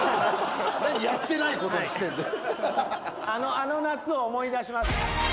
あの夏を思い出します。